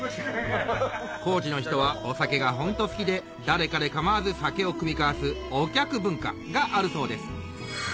高知の人はお酒がホント好きで誰彼構わず酒を酌み交わすおきゃく文化があるそうです